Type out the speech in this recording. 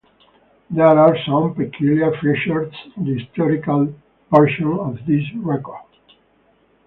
There are some peculiar features in the historical portion of this record.